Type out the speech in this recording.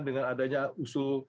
dengan adanya usul